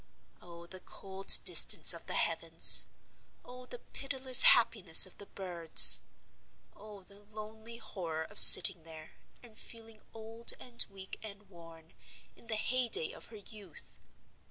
Oh the cold distance of the heavens! Oh the pitiless happiness of the birds! Oh the lonely horror of sitting there, and feeling old and weak and worn, in the heyday of her youth!